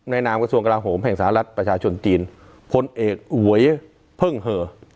นามกระทรวงกราโหมแห่งสหรัฐประชาชนจีนพลเอกหวยเพิ่งเหอ